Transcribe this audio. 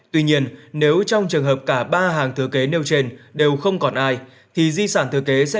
tuy nhiên nếu trong trường hợp cả ba hàng thừa kế nêu trên đều không còn ai thì di sản thừa kế sẽ